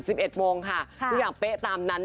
สิบเอ็ดโมงค่ะที่อยากเป๊ะตามนั้น